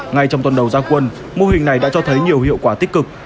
ngay trong tuần đầu gia quân mô hình này đã cho thấy nhiều hiệu quả tích cực